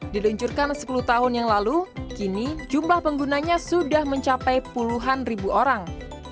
diluncurkan sepuluh tahun yang lalu kini jumlah penggunanya sudah mencapai puluhan ribu orang